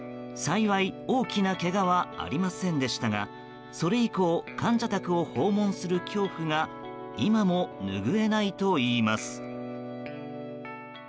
幸い、大きなけがはありませんでしたがそれ以降患者宅を訪問する恐怖が今も拭えないといいます。